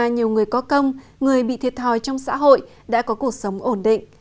nhiều người có công người bị thiệt thòi trong xã hội đã có cuộc sống ổn định